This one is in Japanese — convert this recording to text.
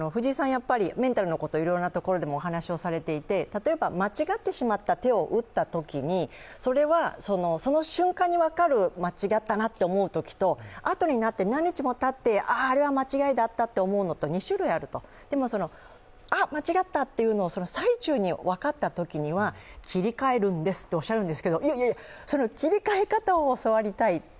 やっぱり、メンタルのこと、いろいろなところでお話をされていて例えば間違ってしまった手をうったときにそれはその瞬間に分かる間違ったなと思うときと後になって、何日もたってあああれは間違いだったと思うのと２種類あると、でもその、間違ったというのが最中に分かったときは切り替えるんですとおっしゃるんですけど、いやいや、その切り替え方を教わりたいって。